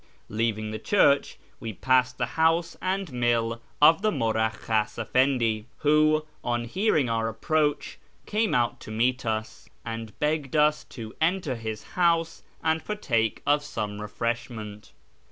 Leaving the church, we passed the house and mill of the " Muraklikhas Efendi" who, on hearing of our approach, came out to meet us, and begged us to enter his house and partake of some refreshment.